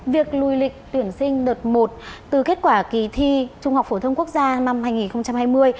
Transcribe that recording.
việc lùi lịch tuyển sinh đợt một từ kết quả kỳ thi trung học phổ thông quốc gia năm hai nghìn hai mươi